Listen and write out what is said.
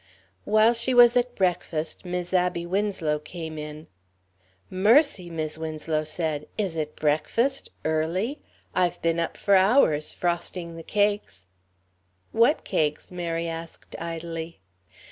While she was at breakfast Mis' Abby Winslow came in. "Mercy," Mis' Winslow said, "is it breakfast early? I've been up hours, frosting the cakes." "What cakes?" Mary asked idly.